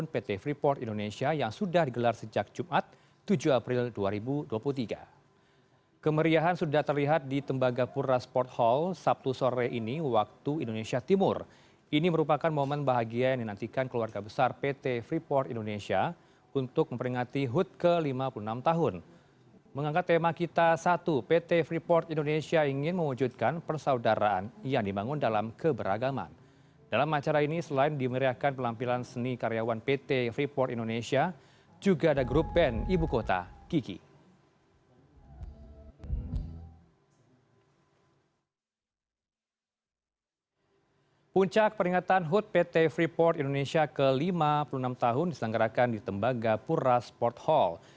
puncak peringatan hut pt freeport indonesia ke lima puluh enam tahun diselenggarakan di tembaga pura sport hall